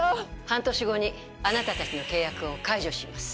半年後にあなた達の契約を解除します